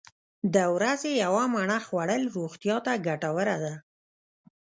د ورځې یوه مڼه خوړل روغتیا ته ګټوره ده.